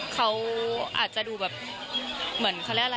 ก็ได้ยินกว่าเยอะนะ